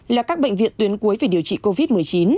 là các bệnh viện tuyến cuối về điều trị covid một mươi chín